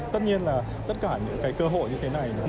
tất nhiên là tất cả những cái cơ hội như thế này